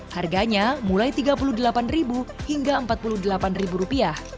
harganya mulai rp tiga puluh delapan hingga rp empat puluh delapan